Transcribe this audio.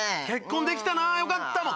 結婚できたな。よかった。